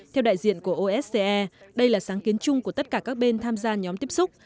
theo đại diện của osa đây là sáng kiến chung của tất cả các bên tham gia nhóm tiếp xúc